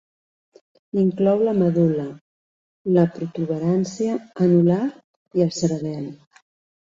Inclou la medul·la, la protuberància anular i el cerebel.